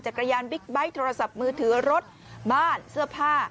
กระยานบิ๊กไบท์โทรศัพท์มือถือรถบ้านเสื้อผ้า